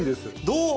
どう？